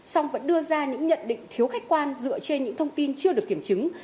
song vẫn đưa ra những nhận định thiếu khách quan dựa trên những thông tin chưa được kiểm chứng